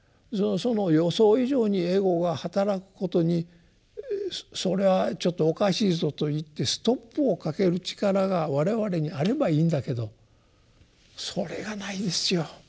その予想以上にエゴがはたらくことにそれはちょっとおかしいぞといってストップをかける力が我々にあればいいんだけどそれがないんですよ